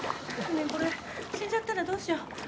これ、死んじゃったらどうしよう。